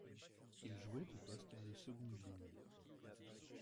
Il jouait au poste de seconde ligne.